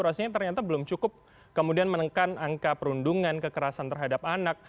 rasanya ternyata belum cukup kemudian menekan angka perundungan kekerasan terhadap anak